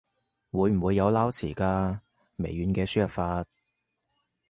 會唔會有撈詞㗎？微軟嘅輸入法